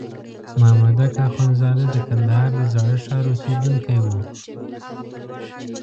مامدک اخندزاده د کندهار د زاړه ښار اوسېدونکی وو.